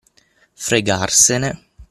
Fregarsene.